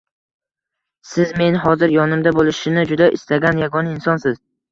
Siz, men hozir yonimda bo‘lishini juda istagan yagona insonsiz.